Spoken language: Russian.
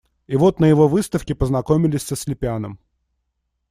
И вот на его выставке познакомились со Слепяном.